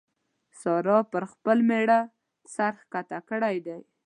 سارا پر خپل مېړه سر کښته کړی دی.